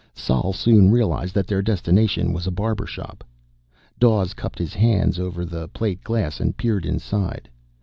Sol soon realized that their destination was a barber shop. Dawes cupped his hands over the plate glass and peered inside.